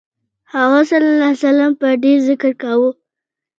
هغه ﷺ به ډېر ذکر کاوه.